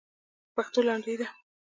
پښتو لنډۍ ده.